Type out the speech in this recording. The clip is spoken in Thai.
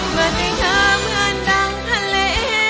มันให้เธอเหมือนดังทะเล